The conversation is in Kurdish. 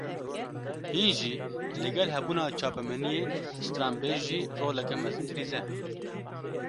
Hîn jî, li gel hebûna çapemeniyê, stranbêj jî roleke mezin dilîze